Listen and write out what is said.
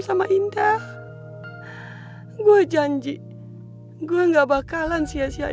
sama indah gue janji gue nggak bakalan sia sia